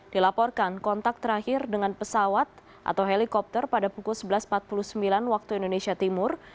dilaporkan kontak terakhir dengan pesawat atau helikopter pada pukul sebelas empat puluh sembilan waktu indonesia timur